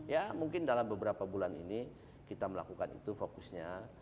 ya mungkin dalam beberapa bulan ini kita melakukan itu fokusnya